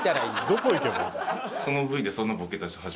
どこ行けばいい。